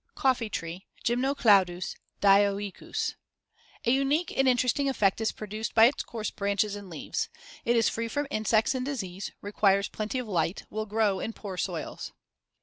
Coffee tree (Gymnocladus dioicus) A unique and interesting effect is produced by its coarse branches and leaves. It is free from insects and disease; requires plenty of light; will grow in poor soils.